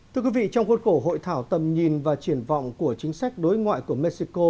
thưa quý vị trong khuôn khổ hội thảo tầm nhìn và triển vọng của chính sách đối ngoại của mexico